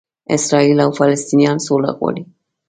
اسراییل او فلسطنینان سوله غواړي.